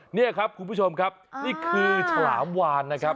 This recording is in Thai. นี่ครับคุณผู้ชมครับนี่คือฉลามวานนะครับ